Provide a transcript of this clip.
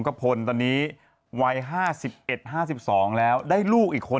กระพลตอนนี้วัยห้าสิบเอ็ดห้าสิบสองแล้วได้ลูกอีกคน